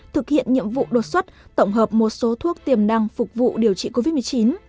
thực hiện nhiệm vụ đột xuất tổng hợp một số thuốc tiềm năng phục vụ điều trị covid một mươi chín